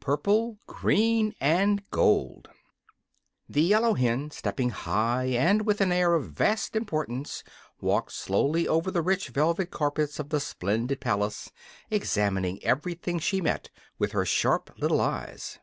Purple, Green, and Gold The yellow hen, stepping high and with an air of vast importance, walked slowly over the rich velvet carpets of the splendid palace, examining everything she met with her sharp little eyes.